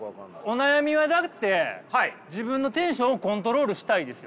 お悩みはだって自分のテンションをコントロールしたいですよ。